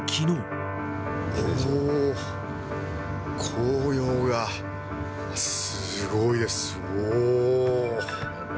紅葉がすごいです、おー。